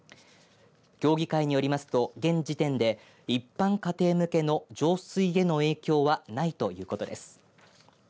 協議会によりますと現時点で一般家庭向けの上水への影響はないということです。